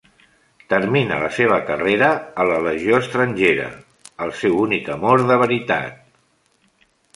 Termina la seva carrera a la legió estrangera, el seu únic amor de veritat.